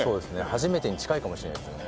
初めてに近いかもしれないですね。